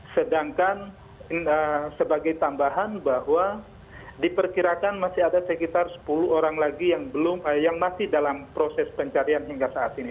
sedangkan sebagai tambahan bahwa diperkirakan masih ada sekitar sepuluh orang lagi yang masih dalam proses pencarian hingga saat ini